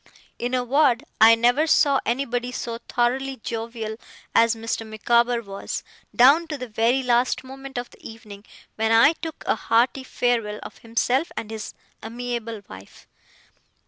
In a word, I never saw anybody so thoroughly jovial as Mr. Micawber was, down to the very last moment of the evening, when I took a hearty farewell of himself and his amiable wife.